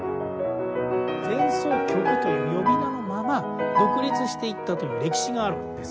「前奏曲」という呼び名のまま独立していったという歴史があるんですよ。